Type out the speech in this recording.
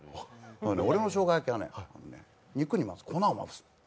俺のしょうが焼きはね、肉にも粉をまぶす。